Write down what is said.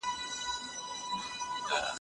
كانتيـنر د انسانانو